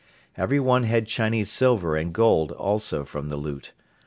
Everyone had Chinese silver and gold also from the loot.